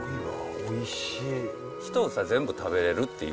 おいしい。